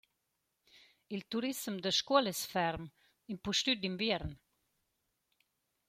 Il turissem da Scuol es ferm impustüt d’inviern.